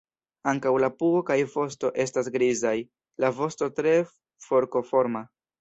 Ankaŭ la pugo kaj vosto estas grizaj; la vosto tre forkoforma.